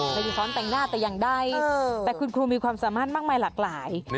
สอนแต่งหน้าแต่ยังได้แต่คุณครูมีความสามารถมากมายหลากหลาย